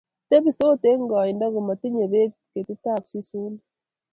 tebisot eng' koindo komatinyei beek ketikab sesonik